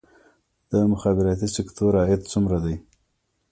د مخابراتي سکتور عاید څومره دی؟